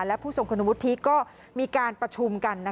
และผู้ทรงคุณวุฒิก็มีการประชุมกัน